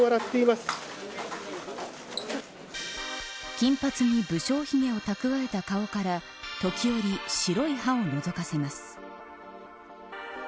金髪に無精ひげをたくわえた顔から時折、白い歯をのぞかせます。